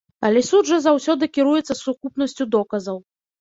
Але суд жа заўсёды кіруецца сукупнасцю доказаў.